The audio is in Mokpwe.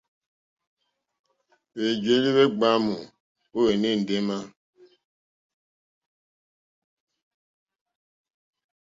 Hwèjèelì hwe gbàamù o ene ndema.